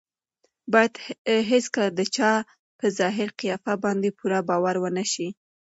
باید هېڅکله د چا په ظاهري قیافه باندې پوره باور ونه شي.